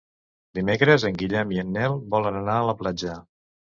Dimecres en Guillem i en Nel volen anar a la platja.